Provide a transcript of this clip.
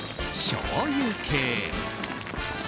しょうゆ系。